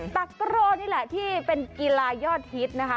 ตะกรนี่แหละที่เป็นกีฬายอดฮิตนะคะ